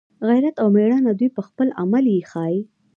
غیرت او میړانه دوی په خپل عمل یې ښایي